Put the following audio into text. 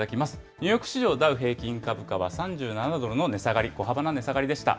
ニューヨーク市場、ダウ平均株価は、３７ドルの値下がり、小幅な値下がりでした。